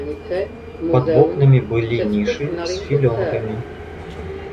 Пад вокнамі былі нішы з філёнгамі.